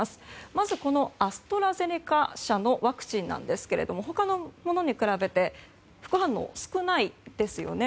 まず、アストラゼネカ社のワクチンですが他のものに比べて副反応、少ないですよね。